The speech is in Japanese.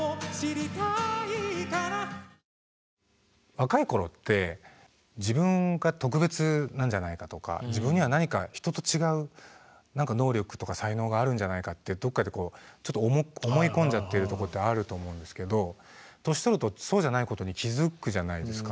若い頃って自分が特別なんじゃないかとか自分には何か人と違う能力とか才能があるんじゃないかってどっかでちょっと思い込んじゃってるとこってあると思うんですけど年取るとそうじゃないことに気付くじゃないですか。